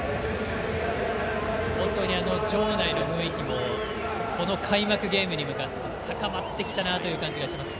本当に場内の雰囲気も開幕ゲームに向けて高まってきたなという感じがします。